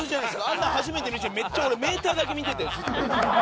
あんなん初めて見てめっちゃ俺メーターだけ見ててずっと。